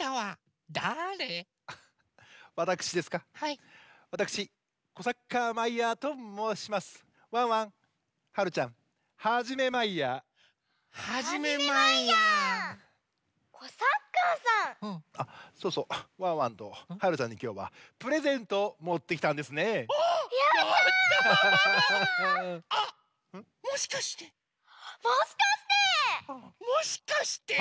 はいもしかして！